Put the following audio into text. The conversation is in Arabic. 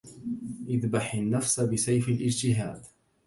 اذبح النفس بسيف الإجتهاد